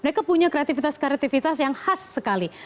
mereka punya kreativitas kreativitas yang khas sekali